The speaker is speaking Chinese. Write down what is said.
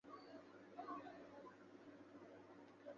官至江西右布政使。